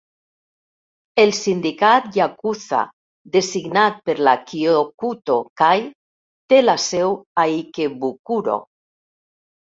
El sindicat yakuza designat per la Kyokuto-kai té la seu a Ikebukuro.